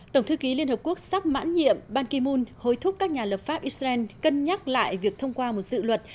tổng thư ký liên hợp quốc sắp mãn nhiệm ban ki moon hối thúc các nhà lập pháp israel cân nhắc lại việc thông qua một dự luật